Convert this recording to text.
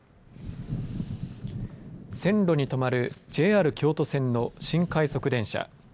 線路に止まるＪＲ京都線の新快速電車。